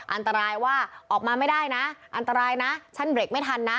อันตรายว่าออกมาไม่ได้นะอันตรายนะฉันเบรกไม่ทันนะ